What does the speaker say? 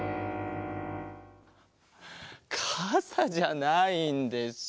かさじゃないんです。